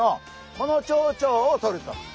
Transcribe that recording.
このチョウチョをとると。